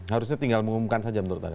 harusnya tinggal mengumumkan saja menurut anda